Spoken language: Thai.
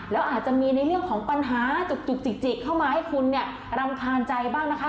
แล้วอาจจะมีในเรื่องของปัญหาจุกจิกเข้ามาให้คุณเนี่ยรำคาญใจบ้างนะคะ